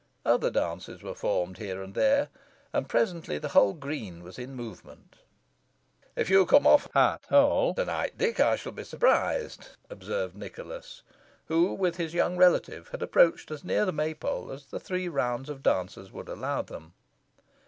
Other dances were formed here and there, and presently the whole green was in movement. "If you come off heart whole to night, Dick, I shall be surprised," observed Nicholas, who with his young relative had approached as near the May pole as the three rounds of dancers would allow them.